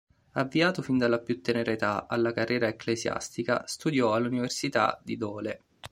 Avviato fin dalla più tenera età alla carriera ecclesiastica, studiò all'Università di Dole.